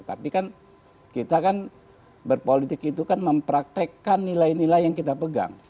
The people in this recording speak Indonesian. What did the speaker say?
tapi kan kita kan berpolitik itu kan mempraktekkan nilai nilai yang kita pegang